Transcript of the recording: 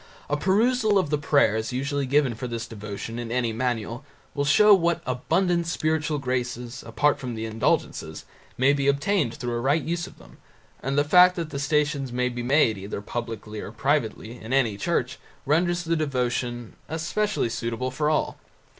A perusal of the prayers usually given for this devotion in any manual will show what abundant spiritual graces, apart from the indulgences, may be obtained through a right use of them, and the fact that the Stations may be made either publicly or privately in any church renders the devotion specially suitable for all.